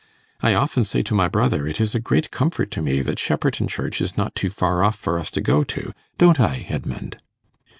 I often say to my brother, it is a great comfort to me that Shepperton Church is not too far off for us to go to; don't I, Edmund?